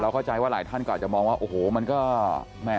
เราเข้าใจว่าหลายท่านก็อาจจะมองว่า